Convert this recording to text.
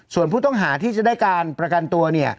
ส่วนผู้ต้องหาที่จะได้การประกันตัว